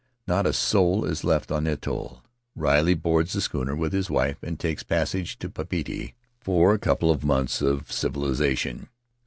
Not a soul is l@ft on the atoll; Riley boards the schooner with his wife and takes passage to Papeete for a couple of months of civilization.